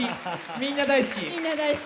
みんな大好き。